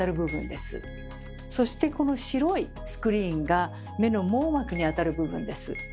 そしてこの白いスクリーンが目の網膜にあたる部分です。